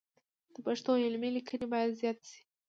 د پښتو علمي لیکنې باید زیاتې سي.